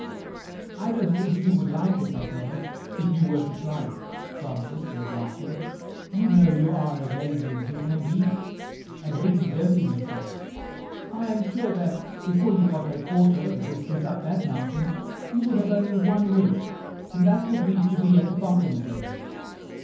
"I don't think you would like it, Matteo, if you were to try it," Francis said laughing. "You know you are as lazy as you can be, and hate exerting yourself. I am sure that, before you got a quarter the distance up that mountain, you would have only one wish, and that would be to be at the bottom again."